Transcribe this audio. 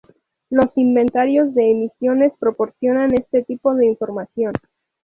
Los inventarios de emisiones proporcionan este tipo de información.